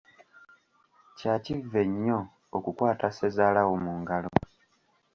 Kya kivve nnyo okukwata ssezaalwo mu ngalo.